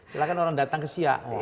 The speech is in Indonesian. silahkan orang datang ke siak